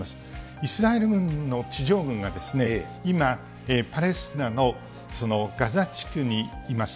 イスラエル軍の地上軍が、今、パレスチナのガザ地区にいます